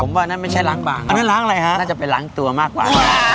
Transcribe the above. ผมว่านั่นไม่ใช่ล้างบางอันนั้นล้างอะไรฮะน่าจะไปล้างตัวมากกว่า